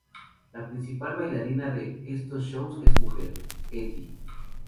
La principal bailarina de estos shows es su mujer, Etty.